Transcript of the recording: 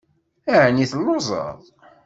Ɛni telluẓeḍ?